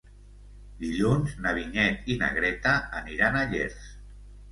Dilluns na Vinyet i na Greta aniran a Llers.